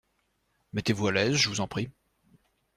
Mettez-vous à l’aise, je vous en prie.